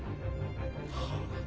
はあ？